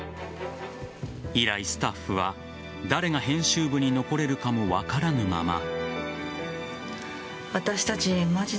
以来、スタッフは誰が編集部に残れるかも分からぬまま。